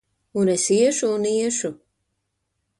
Un es iešu un iešu!